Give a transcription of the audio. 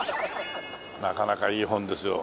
なかなかいい本ですよ。